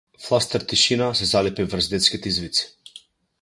Фластер тишина се залепи врз детските извици.